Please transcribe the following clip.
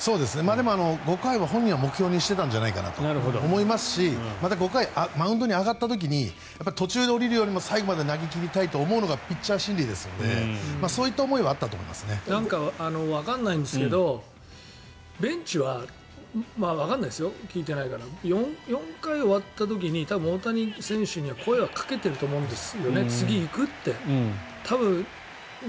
５回は本人は目標にしていたんじゃないかなと思いますしまた５回マウンドに上がった時に途中で降りるよりも最後まで投げ切りたいと思うのがピッチャー心理なのでそういう思いはあったとわからないですよ聞いてないから４回が終わった時に多分大谷選手には声はかけていると思うんです。